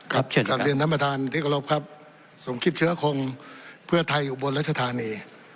กลับเรียนท่านประธานที่กรบครับสมคิดเชื้อคงเพื่อไทยอยู่บนรัชธานี